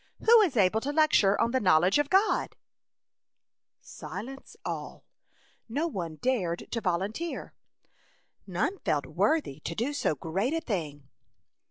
Who is able to lecture on the knowledge of God ?'' 9 Silence all. No one dared to vol unteer. None felt worthy to do so great a thing.